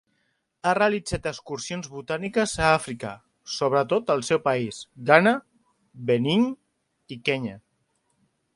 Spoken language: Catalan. Ha realitzat excursions botàniques a Àfrica, sobretot al seu país, Ghana, Benín, i Kenya.